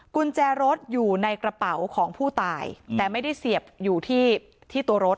กุญแจรถอยู่ในกระเป๋าของผู้ตายแต่ไม่ได้เสียบอยู่ที่ที่ตัวรถ